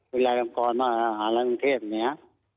เวลาดำกรมาหาลังเทศเนี่ย